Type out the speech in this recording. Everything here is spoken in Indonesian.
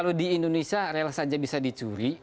kalau di indonesia rela saja bisa dicuri